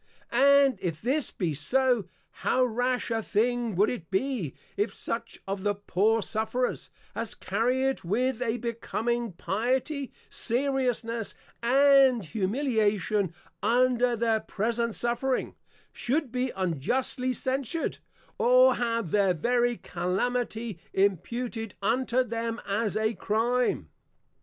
And if this be so, How Rash a thing would it be, if such of the poor Sufferers, as carry it with a Becoming Piety, Seriousness, and Humiliation under their present Suffering, should be unjustly Censured; or have their very Calamity imputed unto them as a Crime?